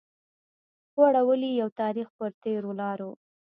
غوړولي يو تاريخ پر تېرو لارو